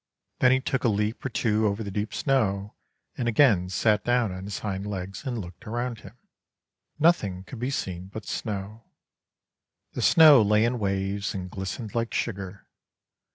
Then he took a leap or two over the deep snow, and again sat down on his hind legs, and looked around him. Nothing could be seen but snow. The snow lay in waves and glistened like sugar.